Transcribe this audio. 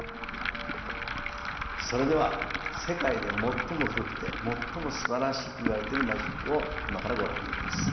それでは世界で最も古くて最もすばらしいといわれているマジックを今からご覧に入れます。